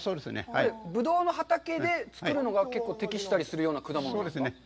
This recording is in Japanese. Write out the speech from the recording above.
ぶどうの畑で作るのが適したりする果物なんですか。